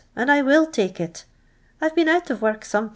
and I will tike it. I 've h:*un out of work siiin>.'